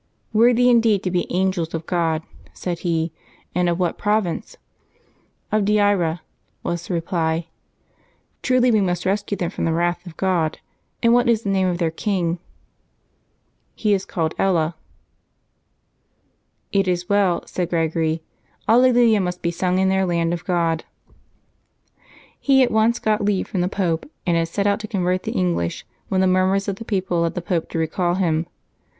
'^" Worthy indeed to be Angels of God," said he. *^ And of what province ?"" Of Deira," was the reply. *^ Truly must we rescue them from the wrath of God. And what is the name of their king ?''" He is called Ella.'' ^'It is well," said Gregory; ^^ Alleluia must be sung in their land to God." He at once got leave from the Pope, and had set out to convert the English when the murmurs of the people led the Pope to recall him.